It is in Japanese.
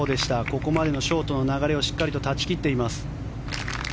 ここまでのショートの流れをしっかりと断ち切っています。